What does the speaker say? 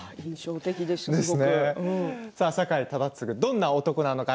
酒井忠次はどんな男なのか